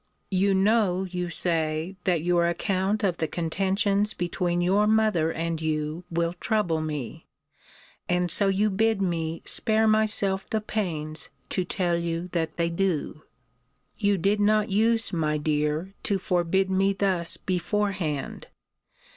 You know, you say, that your account of the contentions between your mother and you will trouble me; and so you bid me spare myself the pains to tell you that they do. You did not use, my dear, to forbid me thus beforehand.